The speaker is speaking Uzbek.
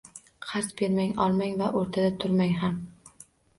Qazr bermang, olmang va o‘rtada turmang ham